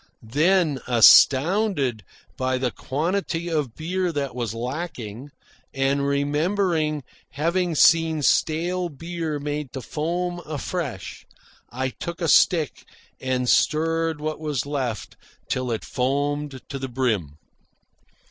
Then, astounded by the quantity of beer that was lacking, and remembering having seen stale beer made to foam afresh, I took a stick and stirred what was left till it foamed to the brim.